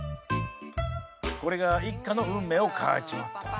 これが一家の運命を変えちまった。